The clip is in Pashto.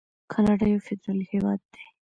کاناډا یو فدرالي هیواد دی.